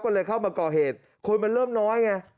ก็เลยเข้ามาก่อเหตุคนมันเริ่มน้อยไง